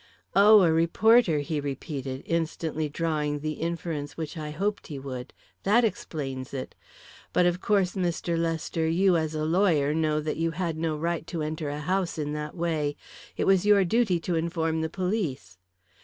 "Oh, a reporter!" he repeated, instantly drawing the inference which I hoped he would. "That explains it. But, of course, Mr. Lester, you, as a lawyer, know that you had no right to enter a house in that way. It was your duty to inform the police."